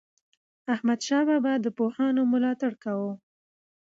احمدشاه بابا د پوهانو ملاتړ کاوه.